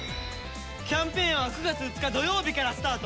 キャンペーンは９月２日土曜日からスタート！